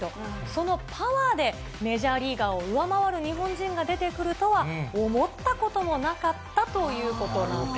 そのパワーで、メジャーリーガーを上回る日本人が出てくるとは、思ったこともなかったということなんです。